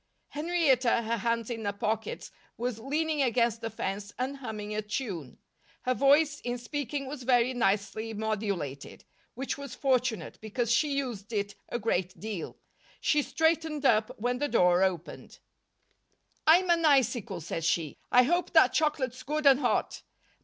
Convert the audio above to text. Henrietta, her hands in her pockets, was leaning against the fence and humming a tune. Her voice, in speaking, was very nicely modulated which was fortunate, because she used it a great deal. She straightened up when the door opened. "I'm an icicle," said she. "I hope that chocolate's good and hot.